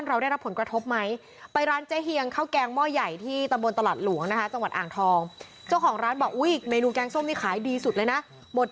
เยอะเลยนะบอกอุ้ยชอบกินแกงส้มมระลักอด์